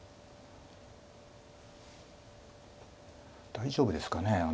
大丈夫ですかね。